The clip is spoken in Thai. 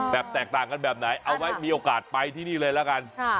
แตกต่างกันแบบไหนเอาไว้มีโอกาสไปที่นี่เลยละกัน